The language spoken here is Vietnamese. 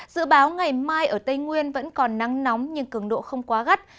dự báo ngày mai ở tây nguyên vẫn còn nắng nóng nhưng cường độ không quá gắt